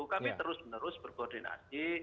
kami terus menerus berkoordinasi